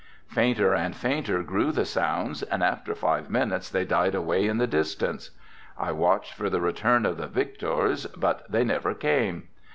Fainter and fainter grew the sounds and after five minutes they died away in the distance. I watched for the return of the victors but they never came.